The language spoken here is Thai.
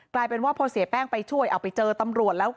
กลายเป็นว่าพอเสียแป้งไปช่วยเอาไปเจอตำรวจแล้ว